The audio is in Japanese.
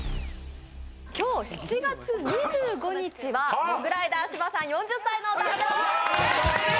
今日７月２５日はモグライダー・芝さん、４０歳のお誕生日です！